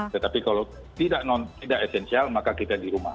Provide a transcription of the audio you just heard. tetapi kalau tidak esensial maka kita diperlukan